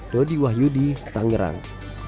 dodi wahyudi tangerang